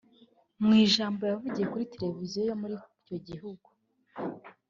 Mu ijambo yavugiye kuri televiziyo yo muri icyo gihugu